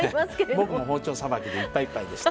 僕も包丁さばきでいっぱいいっぱいでした。